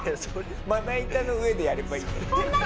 まな板の上でやればいいじゃない。